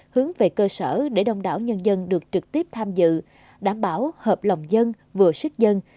hướng về cơ sở để đông đảo nhân dân được trực tiếp tham dự đảm bảo hợp lòng dân vừa sức dân